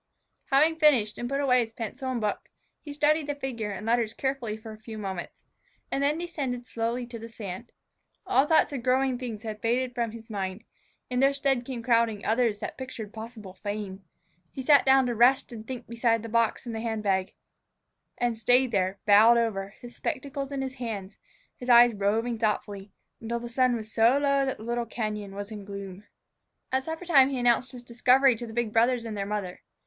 Having finished, and put away his pencil and book, he studied the figure and letters carefully for a few moments, and then descended slowly to the sand. All thoughts of growing things had faded from his mind; in their stead came crowding others that pictured possible fame. He sat down to rest and think beside the box and the hand bag, and stayed there, bowed over, his spectacles in his hands, his eyes roving thoughtfully, until the sun was so low that the little cañon was in gloom. At suppertime he announced his discovery to the big brothers and their mother.